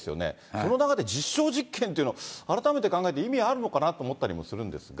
その中で実証実験っていうの、改めて考えて意味あるのかなと思ったりもするんですが。